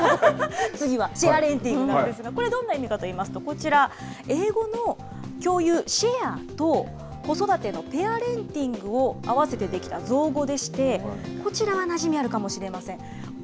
次はシェアレンティングなんですが、これ、どんな意味かといいますとこちら、英語の共有・ｓｈａｒｅと、子育てのｐａｒｅｎｔｉｎｇを合わせて出来た造語でして、こちらはなじみあるかもしれません。